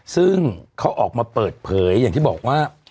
ซึ่งเขาออกมาเปิดเผยอย่างที่บอกว่า